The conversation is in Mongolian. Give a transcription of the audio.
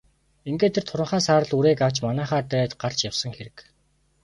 Ингээд тэр туранхай саарал үрээг авч манайхаар дайраад гарч явсан хэрэг.